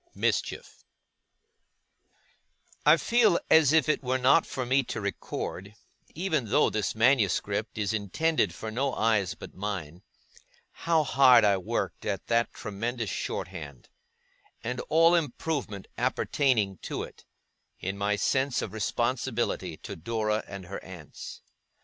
MISCHIEF I feel as if it were not for me to record, even though this manuscript is intended for no eyes but mine, how hard I worked at that tremendous short hand, and all improvement appertaining to it, in my sense of responsibility to Dora and her aunts.